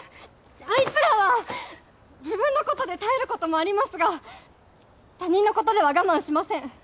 アイツらは自分のことで耐えることもありますが他人のことでは我慢しません！